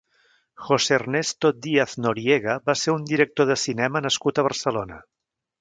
José Ernesto Díaz Noriega va ser un director de cinema nascut a Barcelona.